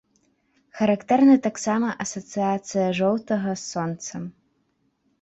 Характэрна таксама асацыяцыя жоўтага з сонцам.